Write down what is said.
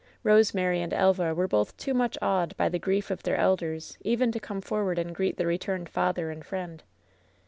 Rosemary and Elva were both too much awed by the grief of their elders even to come forward and greet the returned father and friend.